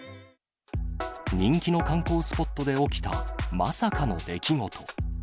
人気の観光スポットで起きたまさかの出来事。